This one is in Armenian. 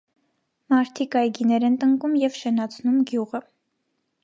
Մարդիկ այգիներ են տնկում և շենացնում գյուղը։